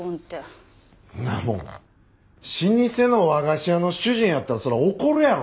そんなもん老舗の和菓子屋の主人やったらそりゃ怒るやろ。